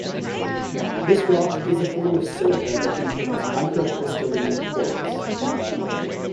This rock is a form of silica that contains micro-crystalline quartz.